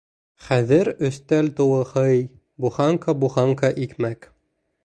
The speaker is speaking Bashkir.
Хәҙер өҫтәл тулы һый, буханка-буханка икмәк.